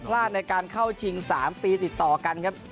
พลาดในการเข้าชิง๓ปีติดต่อกันครับ